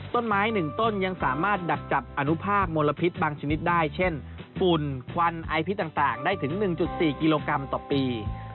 ต้นไม้๑ต้นยังสามารถดักจับอนุภาคมลพิษบางชนิดได้เช่นฝุ่นควันไอพิษต่างได้ถึง๑๔กิโลกรัมต่อปี